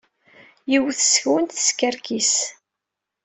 Yiwet seg-went teskerkis.